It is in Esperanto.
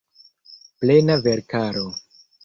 Plena verkaro.